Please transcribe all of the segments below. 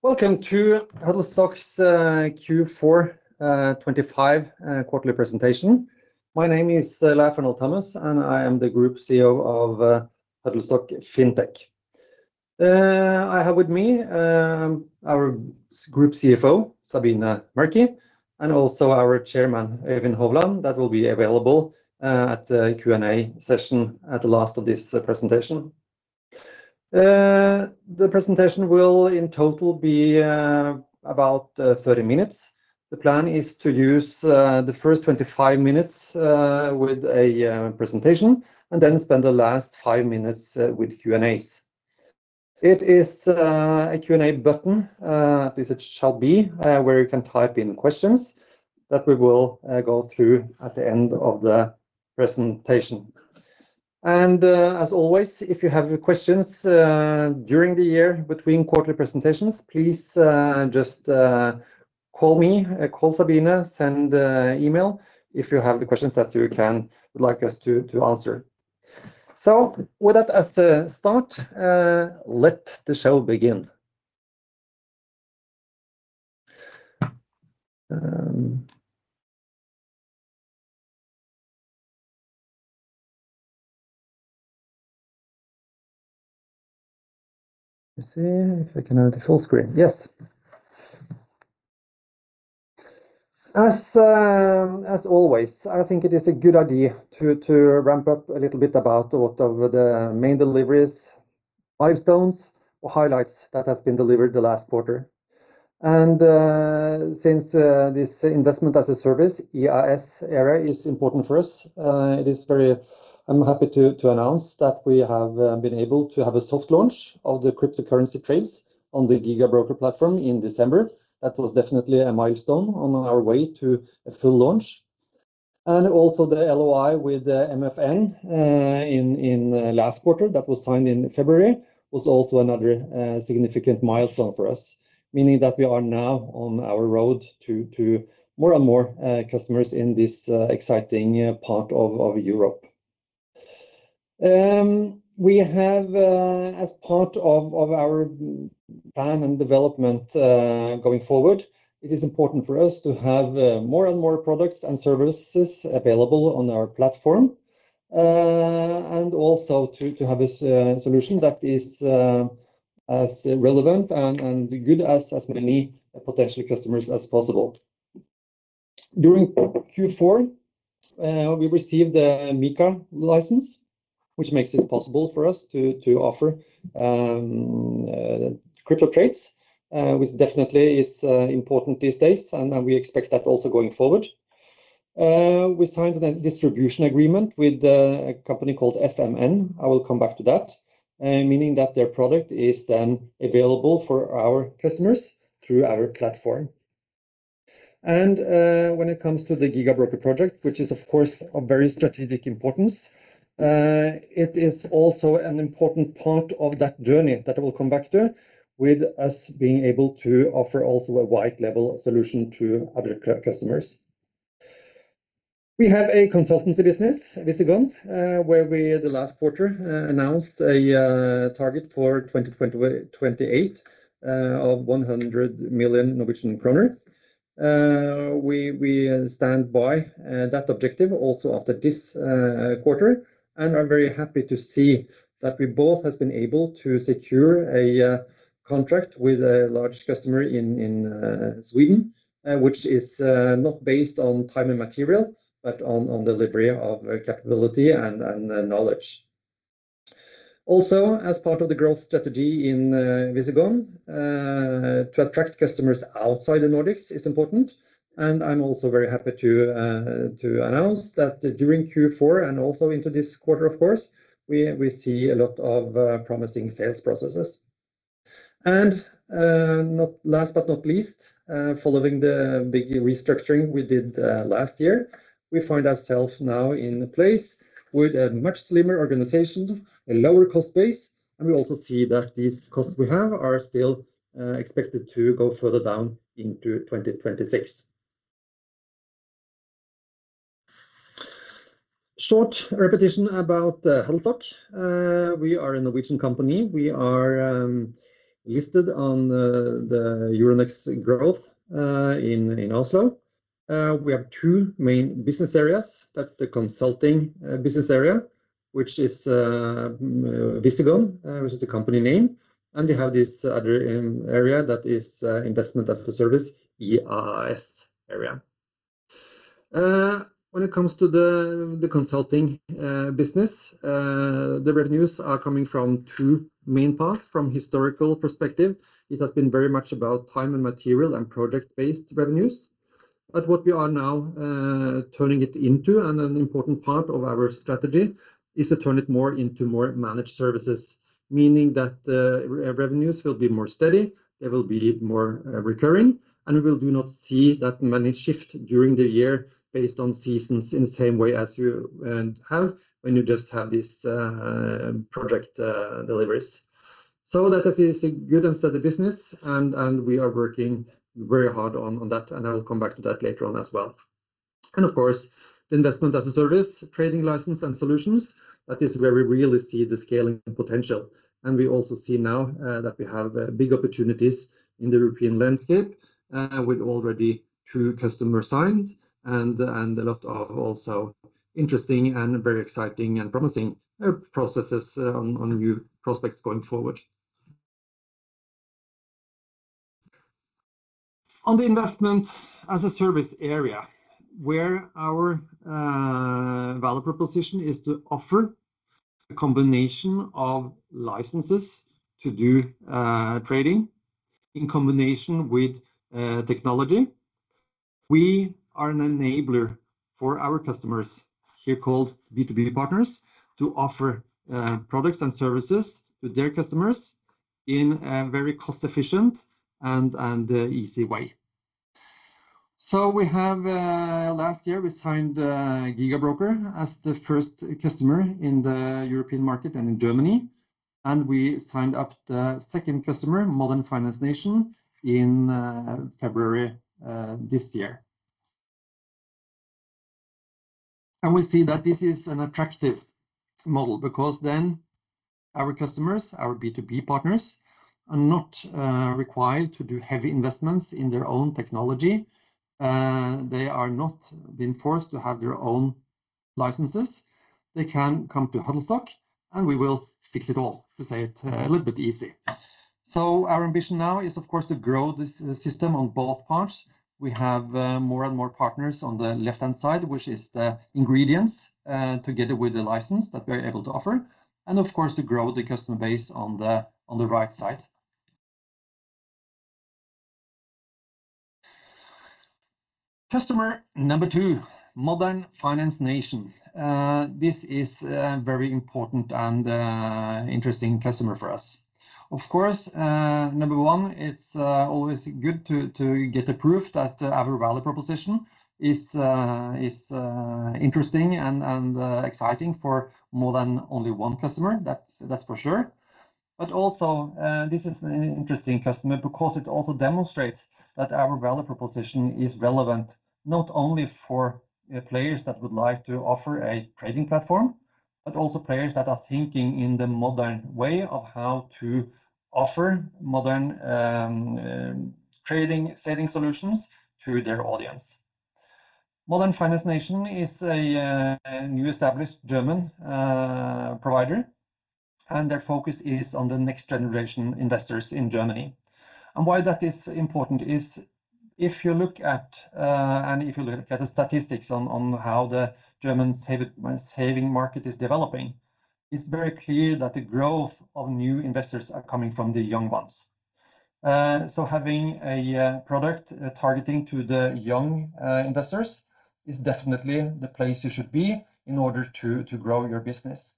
Welcome to Huddlestock's Q4 2025 Quarterly Presentation. My name is Leif Arnold Thomas, and I am the Group CEO of Huddlestock Fintech. I have with me our Group Sabine Mærky, and also our Chairman, Øyvind Hovland, that will be available at the Q&A session at the last of this presentation. The presentation will in total be about 30 minutes. The plan is to use the first 25 minutes with a presentation and then spend the last 5 minutes with Q&As. It is a Q&A button, at least it shall be, where you can type in questions that we will go through at the end of the presentation. As always, if you have questions during the year between quarterly presentations, please just call me, call Sabine, send email, if you have the questions that you would like us to answer. With that as a start, let the show begin. Let's see if I can have the full screen. Yes. As always, I think it is a good idea to ramp up a little bit about what are the main deliveries, milestones, or highlights that has been delivered the last quarter. Since this investment as a service, IaaS area is important for us, I'm happy to announce that we have been able to have a soft launch of the cryptocurrency trades on the Gigabroker platform in December. That was definitely a milestone on our way to a full launch. Also the LOI with the MFN, in last quarter, that was signed in February, was also another significant milestone for us, meaning that we are now on our road to more and more customers in this exciting part of Europe. We have, as part of our plan and development, going forward, it is important for us to have more and more products and services available on our platform, and also to have a solution that is as relevant and good as many potential customers as possible. During Q4, we received a MiCA license, which makes it possible for us to offer crypto trades, which definitely is important these days. We expect that also going forward. We signed a distribution agreement with a company called MFN. I will come back to that, meaning that their product is then available for our customers through our platform. When it comes to the Gigabroker project, which is of course of very strategic importance, it is also an important part of that journey that I will come back to, with us being able to offer also a white label solution to other customers. We have a consultancy business, Visigon, where we, the last quarter, announced a target for 2028 of NOK 100 million. We stand by that objective also after this quarter, and are very happy to see that we both have been able to secure a contract with a large customer in Sweden, which is not based on time and material, but on delivery of capability and knowledge. As part of the growth strategy in Visigon, to attract customers outside the Nordics is important, and I'm also very happy to announce that during Q4 and also into this quarter, of course, we see a lot of promising sales processes. Last but not least, following the big restructuring we did last year, we find ourselves now in a place with a much slimmer organization, a lower cost base, and we also see that these costs we have are still expected to go further down into 2026. Short repetition about the Huddlestock. We are a Norwegian company. We are listed on the Euronext Growth in Oslo. We have two main business areas. That's the consulting business area, which is Visigon, which is the company name, and we have this other area that is Investment-as-a-Service, IaaS area. When it comes to the consulting business, the revenues are coming from two main paths. From historical perspective, it has been very much about time and material and project-based revenues, what we are now turning it into, and an important part of our strategy, is to turn it more into more managed services. Meaning that revenues will be more steady, they will be more recurring, and we will do not see that managed shift during the year based on seasons, in the same way as you have when you just have this project deliveries. That is a good and steady business, and we are working very hard on that, and I will come back to that later on as well. Of course, the Investment-as-a-Service, trading license and solutions, that is where we really see the scaling potential. We also see now that we have big opportunities in the European landscape with already two customers signed and a lot of also interesting and very exciting and promising processes on new prospects going forward. On the Investment-as-a-Service area, where our value proposition is to offer a combination of licenses to do trading in combination with technology. We are an enabler for our customers, here called B2B partners, to offer products and services to their customers in a very cost-efficient and easy way. We have last year, we signed Gigabroker as the first customer in the European market and in Germany, and we signed up the second customer, Modern Finance Nation, in February this year. We see that this is an attractive model, because then our customers, our B2B partners, are not required to do heavy investments in their own technology. They are not being forced to have their own licenses. They can come to Huddlestock, and we will fix it all, to say it a little bit easy. Our ambition now is, of course, to grow this system on both parts. We have more and more partners on the left-hand side, which is the ingredients, together with the license that we are able to offer, and of course, to grow the customer base on the, on the right side. Customer number two, Modern Finance Nation. This is a very important and interesting customer for us. Of course, number one, it's always good to get the proof that our value proposition is interesting and exciting for more than only one customer. That's for sure. Also, this is an interesting customer because it also demonstrates that our value proposition is relevant, not only for the players that would like to offer a trading platform, but also players that are thinking in the modern way of how to offer modern trading, saving solutions to their audience. Modern Finance Nation is a new established German provider, and their focus is on the next generation investors in Germany. Why that is important is if you look at, and if you look at the statistics on how the German saving market is developing, it's very clear that the growth of new investors are coming from the young ones. Having a product targeting to the young investors is definitely the place you should be in order to grow your business.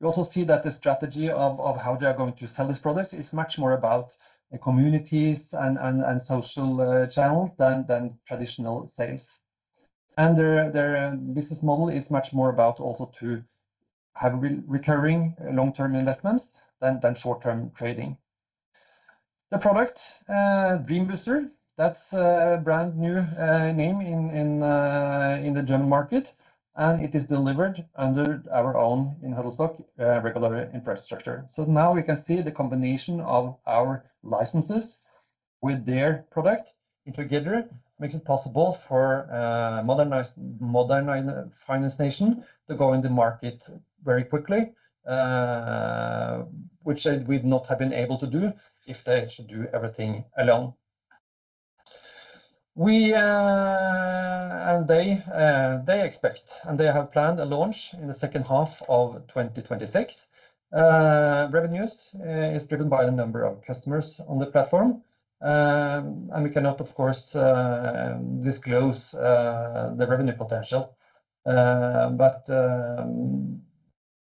You also see that the strategy of how they are going to sell this product is much more about the communities and social channels than traditional sales. Their business model is much more about also to have re-recurring long-term investments than short-term trading. The product, Dream Booster, that's a brand new name in the German market, and it is delivered under our own in Huddlestock regulatory infrastructure. Now we can see the combination of our licenses with their product together makes it possible for Modern Finance Nation to go in the market very quickly, which they would not have been able to do if they should do everything alone. We and they expect, and they have planned a launch in the second half of 2026. Revenues is driven by the number of customers on the platform. We cannot, of course, disclose the revenue potential, but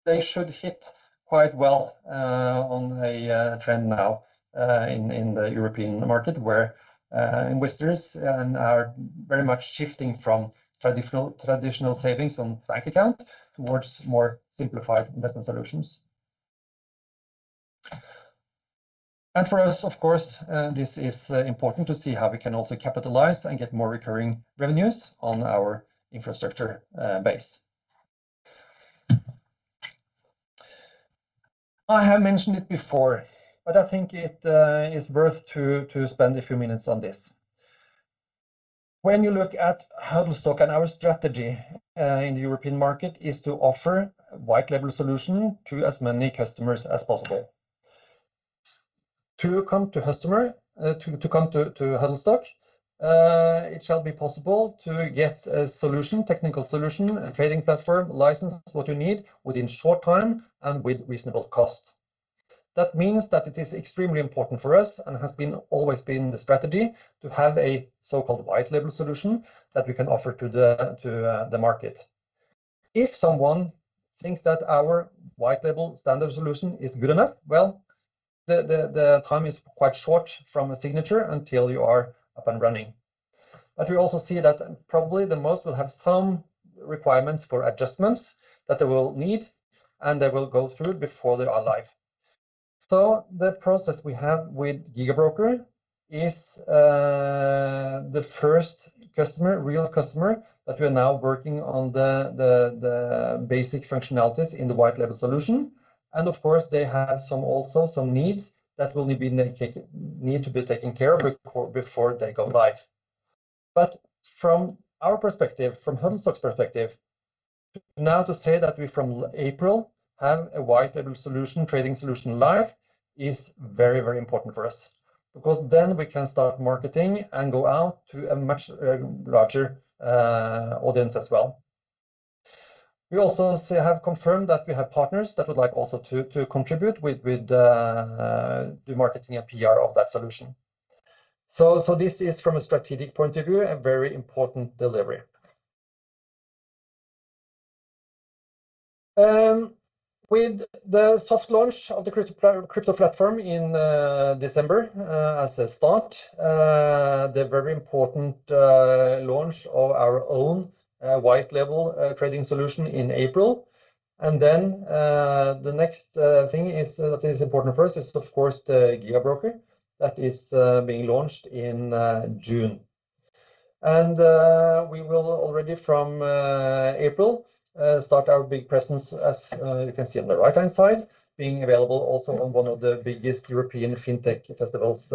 they should hit quite well on a trend now in the European market, where investors are very much shifting from traditional savings on bank account towards more simplified investment solutions. For us, of course, this is important to see how we can also capitalize and get more recurring revenues on our infrastructure base. I have mentioned it before, I think it is worth to spend a few minutes on this. You look at Huddlestock and our strategy in the European market, is to offer a white label solution to as many customers as possible. Come to Huddlestock, it shall be possible to get a solution, technical solution, a trading platform, license, what you need within short time and with reasonable cost. Means that it is extremely important for us, and has always been the strategy, to have a so-called white label solution that we can offer to the market. If someone thinks that our white label standard solution is good enough, well, the time is quite short from a signature until you are up and running. We also see that probably the most will have some requirements for adjustments that they will need, and they will go through before they are live. The process we have with Gigabroker is the first customer, real customer, that we are now working on the basic functionalities in the white label solution. Of course, they have some also some needs that will need to be taken care of before they go live. From our perspective, from Huddlestock's perspective, now to say that we from April have a white label solution, trading solution live, is very important for us, because then we can start marketing and go out to a much larger audience as well. We also have confirmed that we have partners that would like also to contribute with the marketing and PR of that solution. This is, from a strategic point of view, a very important delivery. With the soft launch of the crypto platform in December, as a start, the very important launch of our own white label trading solution in April. The next thing is, that is important for us is, of course, the Gigabroker that is being launched in June. We will already from April start our big presence, as you can see on the right-hand side, being available also on one of the biggest European fintech festivals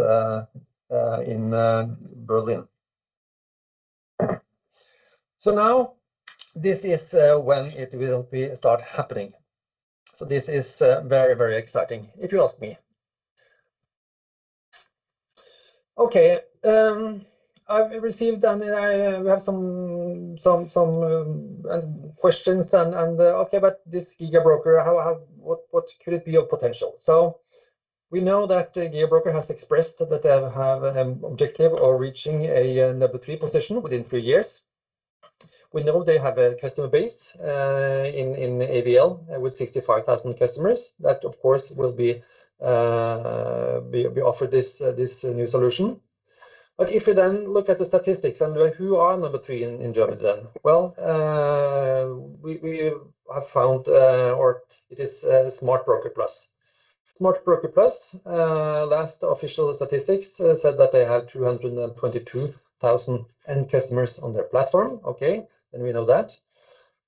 in Berlin. Now this is when it will be start happening. This is very, very exciting if you ask me. We have some questions and this Gigabroker, how what could it be of potential? We know that Gigabroker has expressed that they have an objective of reaching a number 3 position within 3 years. We know they have a customer base in AVL with 65,000 customers. Of course, will be offered this new solution. If you then look at the statistics and who are number three in Germany then? Well, we have found, or it is Smartbroker+. Smartbroker+, last official statistics, said that they have 222,000 end customers on their platform. Okay, then we know that.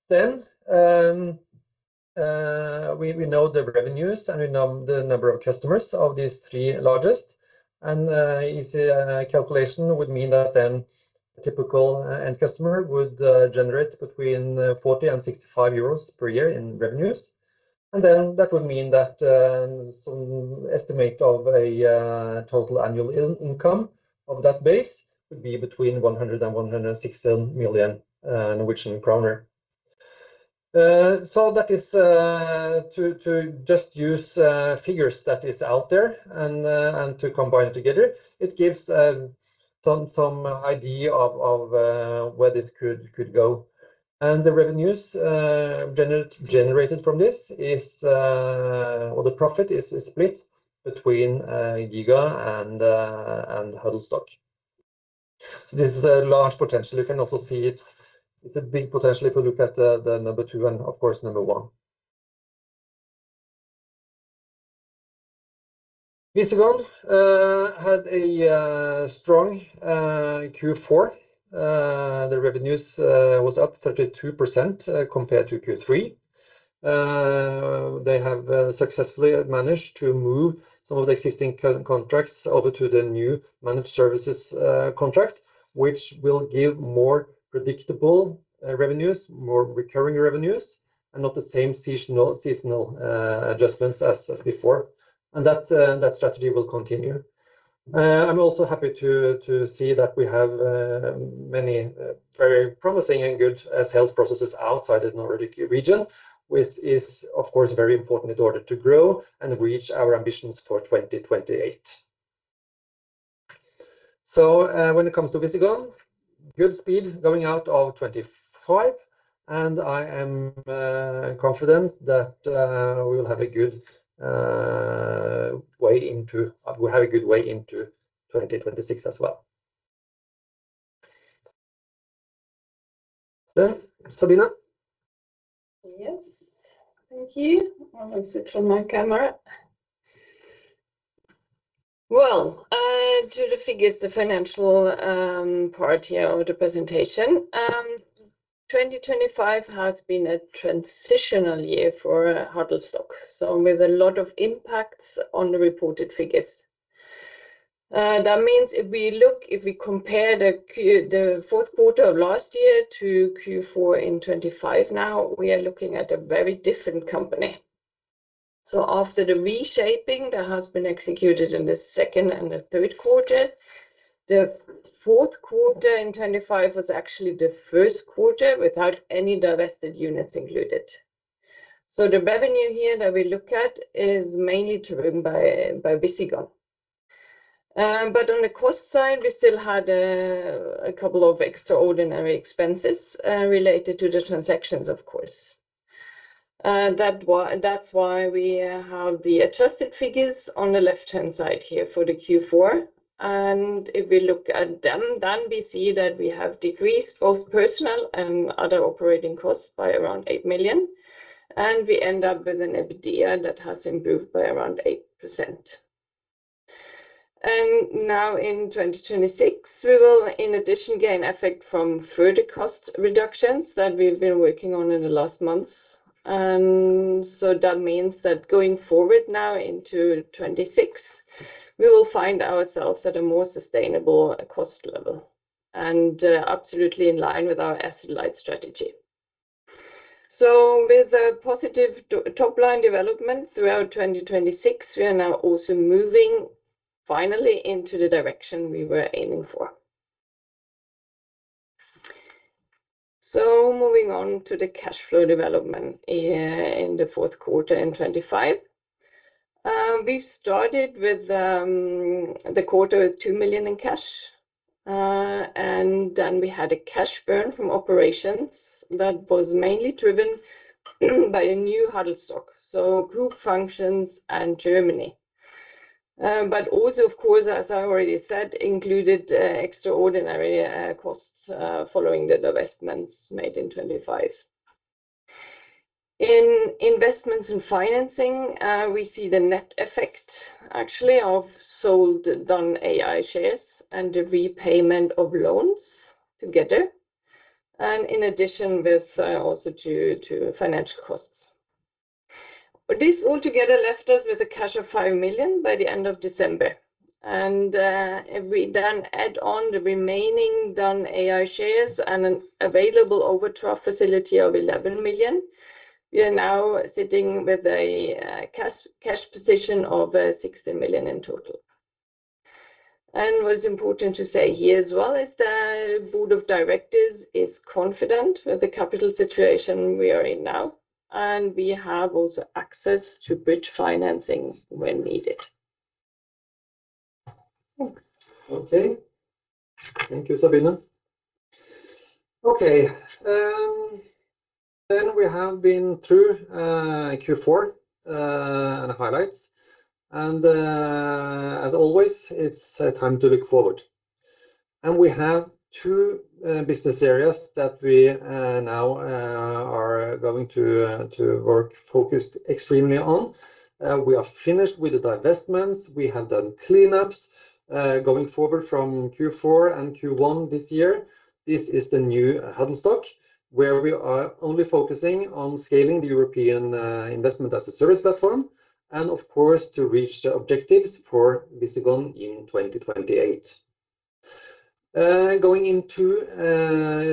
Then, we know the revenues, and we know the number of customers of these three largest. Easy calculation would mean that then typical end customer would generate between 40-65 euros per year in revenues. Then that would mean that some estimate of a total annual in-income of that base would be between 100 million-116 million Norwegian kroner. That is to just use figures that is out there and to combine it together, it gives some idea of where this could go. The revenues generated from this is or the profit is split between Gigabroker and Huddlestock. This is a large potential. You can also see it's a big potential if you look at the number two and of course, number one. Visigon had a strong Q4. The revenues was up 32% compared to Q3. Successfully managed to move some of the existing co-contracts over to the new managed services contract, which will give more predictable revenues, more recurring revenues, and not the same seasonal adjustments as before, and that strategy will continue. I am also happy to see that we have many very promising and good sales processes outside the Nordic region, which is, of course, very important in order to grow and reach our ambitions for 2028. So, when it comes to Visigon, good speed going out of 2025, and I am confident that we will have a good way into. We will have a good way into 2026 as well. then Sabine Mærky?` Yes. Thank you. I'm going to switch on my camera. To the figures, the financial part here of the presentation. 2025 has been a transitional year for Huddlestock, with a lot of impacts on the reported figures. That means if we look, if we compare the fourth quarter of last year to Q4 in 25, now we are looking at a very different company. After the reshaping that has been executed in the second and the third quarter, the fourth quarter in 25 was actually the Q1 without any divested units included. The revenue here that we look at is mainly driven by Visigon. On the cost side, we still had a couple of extraordinary expenses related to the transactions, of course. That's why we have the adjusted figures on the left-hand side here for the Q4. If we look at them, then we see that we have decreased both personal and other operating costs by around 8 million, and we end up with an EBITDA that has improved by around 8%. Now in 2026, we will, in addition, gain effect from further cost reductions that we've been working on in the last months. That means that going forward now into 2026, we will find ourselves at a more sustainable cost level and absolutely in line with our asset-light strategy. With a positive top-line development throughout 2026, we are now also moving finally into the direction we were aiming for. Moving on to the cash flow development here in the fourth quarter in 2025. We've started with the quarter with 2 million in cash, we had a cash burn from operations that was mainly driven by a new Huddlestock, so group functions and Germany. Also, of course, as I already said, included extraordinary costs following the divestments made in 25. In investments and financing, we see the net effect actually of sold Done.ai shares and the repayment of loans together, and in addition, with also due to financial costs. This altogether left us with a cash of 5 million by the end of December, if we then add on the remaining Done.ai shares and an available overdraft facility of 11 million, we are now sitting with a cash position of 16 million in total. What's important to say here as well is the board of directors is confident with the capital situation we are in now, and we have also access to bridge financing when needed. Thanks. Thank you, Sabine. We have been through Q4 and the highlights, as always, it's time to look forward. We have two business areas that we now are going to work focused extremely on. We are finished with the divestments. We have done cleanups going forward from Q4 and Q1 this year. This is the new Huddlestock, where we are only focusing on scaling the European Investment-as-a-Service platform and of course, to reach the objectives for Visigon in 2028. Going into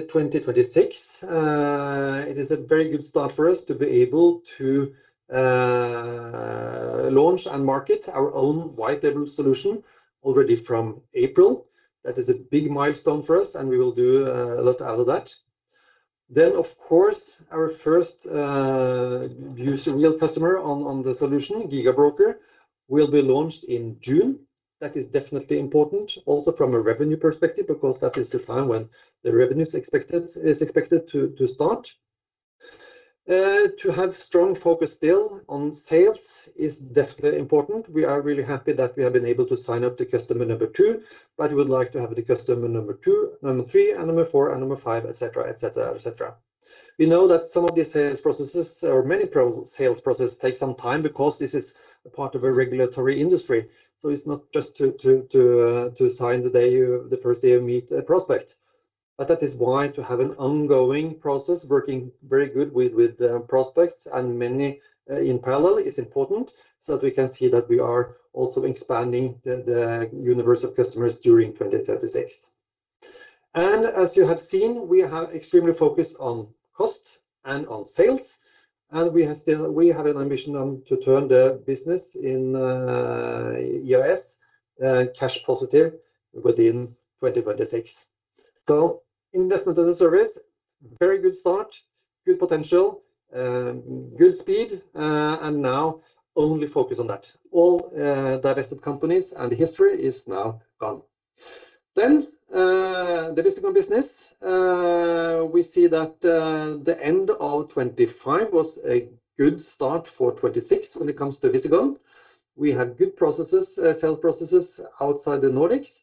2026, it is a very good start for us to be able to launch and market our own white label solution already from April. That is a big milestone for us, and we will do a lot out of that. Of course, our first user, real customer on the solution, Gigabroker, will be launched in June. That is definitely important also from a revenue perspective, because that is the time when the revenues expected, is expected to start. To have strong focus still on sales is definitely important. We are really happy that we have been able to sign up the customer number two, but we would like to have the customer number two, number three, and number four, and number five, et cetera, et cetera, et cetera. We know that some of these sales processes or many sales processes take some time because this is a part of a regulatory industry. It's not just to sign the day you... the first day you meet a prospect, that is why to have an ongoing process, working very good with prospects and many in parallel is important, so that we can see that we are also expanding the universe of customers during 2036. As you have seen, we have extremely focused on cost and on sales, and we have an ambition to turn the business in EOS cash positive within 2026. Investment-as-a-Service, very good start, good potential, good speed, and now only focus on that. All divested companies and history is now gone. The Visigon business. We see that the end of 25 was a good start for 26 when it comes to Visigon. We have good processes, sales processes outside the Nordics.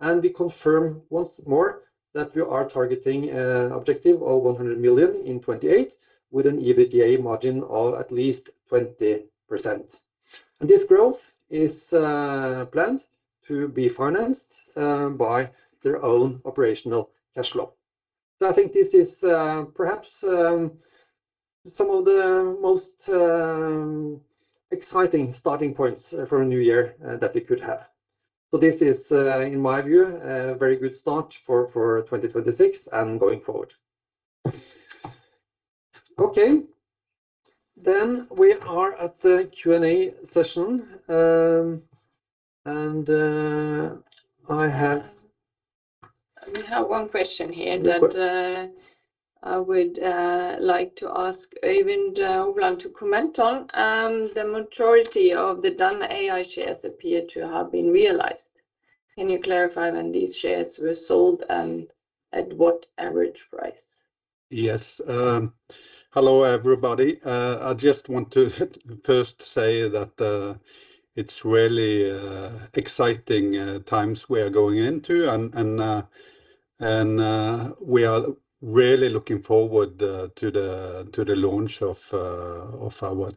We confirm once more that we are targeting an objective of 100 million in 2028, with an EBITDA margin of at least 20%. This growth is planned to be financed by their own operational cash flow. I think this is perhaps some of the most exciting starting points for a new year that we could have. This is, in my view, a very good start for 2026 and going forward. We are at the Q&A session. We have one question here. That, I would like to ask Øyvind Hovland to comment on. The majority of the Done.ai shares appear to have been realized. Can you clarify when these shares were sold and at what average price? Yes. Um, hello, everybody. Uh, I just want to first say that, uh, it's really, uh, exciting, uh, times we are going into, and, and, And, uh, we are really looking forward, uh, to the, to the launch of, uh, of our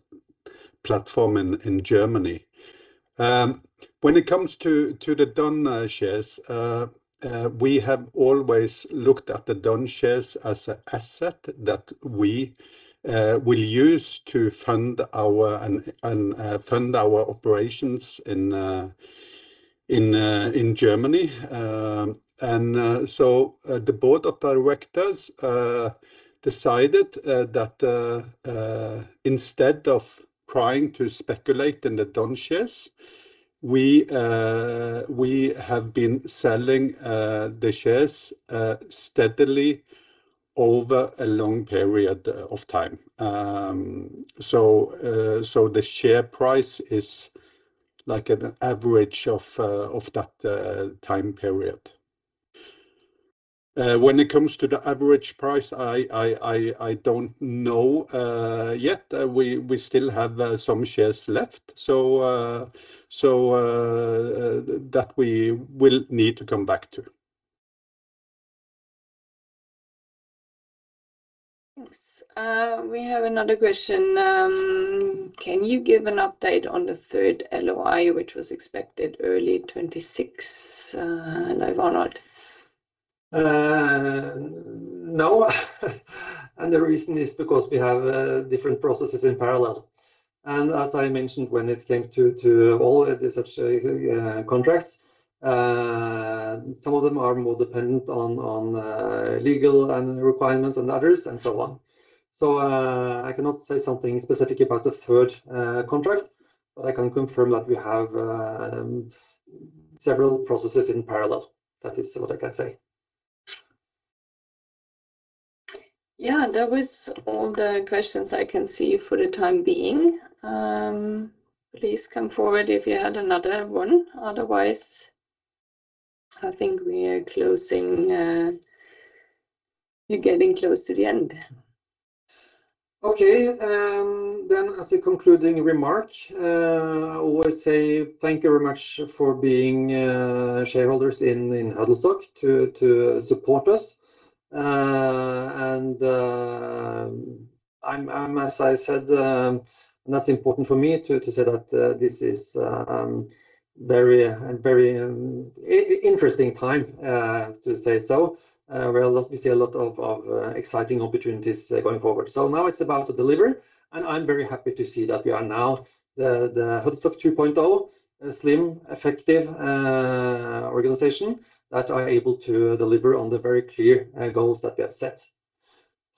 platform in, in Germany. Um, when it comes to, to the done, uh, shares, uh, uh, we have always looked at the done shares as an asset that we, uh, will use to fund our and, and, uh, fund our operations in, uh, in, uh, in Germany. Um, and, uh, so, uh, the board of directors, uh, decided, uh, that, uh, uh, instead of trying to speculate in the done shares, we, uh, we have been selling, uh, the shares, uh, steadily over a long period of time. Um, so, uh, so the share price is like an average of, uh, of that, uh, time period. When it comes to the average price, I don't know yet. We still have some shares left, so that we will need to come back to. Thanks. We have another question. Can you give an update on the third LOI, which was expected early 2026, Leif Arnold? No. The reason is because we have different processes in parallel. As I mentioned, when it came to all the such contracts, some of them are more dependent on legal and requirements than others, and so on. I cannot say something specific about the third contract, but I can confirm that we have several processes in parallel. That is what I can say. Yeah, that was all the questions I can see for the time being. Please come forward if you had another one. I think we are closing. We're getting close to the end. Okay. As a concluding remark, I always say thank you very much for being shareholders in Huddlestock, to support us. I'm, as I said, that's important for me to say that this is very, a very interesting time, to say it so. Where we see a lot of exciting opportunities going forward. Now it's about to deliver, and I'm very happy to see that we are now the Huddlestock 2.0, a slim, effective, organization that are able to deliver on the very clear goals that we have set.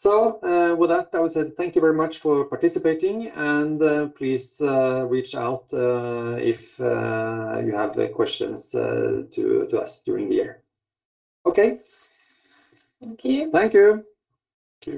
With that, I would say thank you very much for participating, and please reach out if you have questions to us during the year. Okay. Thank you. Thank you. Thank you.